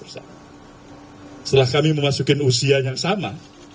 setelah kami memasuki usia yang sama